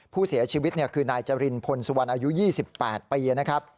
ผู้เสียชีวิตคือนายจรินพลสุวรรณอายุ๒๘ปีนะครับ